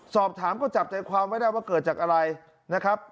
สอบถามก็จับใจความไม่ได้ว่าเกิดจากอะไรนะครับ